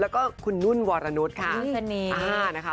แล้วก็คุณนุ่นวรนุษย์ค่ะ